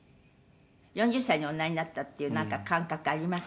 「４０歳におなりになったっていうなんか感覚あります？」